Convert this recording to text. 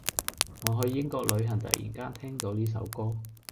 我去英國旅行突然間聽到呢首歌